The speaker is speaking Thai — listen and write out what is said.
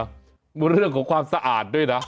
เรื่องของความสะอาดด้วยนะ